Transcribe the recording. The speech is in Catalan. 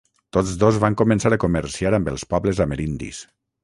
Tots dos van començar a comerciar amb els pobles amerindis.